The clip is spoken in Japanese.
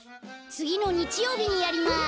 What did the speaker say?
つぎのにちようびにやります。